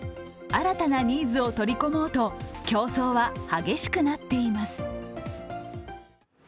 新たなニーズを取り込もうと競争は激しくなっています。